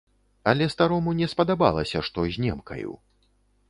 Але старому не спадабалася, што з немкаю.